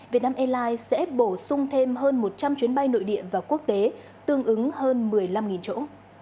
việt nam airlines sẽ bổ sung thêm hơn một trăm linh chuyến bay nội địa và quốc tế tương ứng hơn một mươi năm chỗ